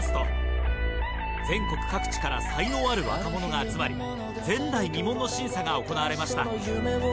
全国各地から才能ある若者が集まり、前代未聞の審査が行われました。